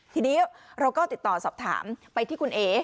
ทีนี้เราก็ติดต่อสอบถามไปที่คุณเอ๋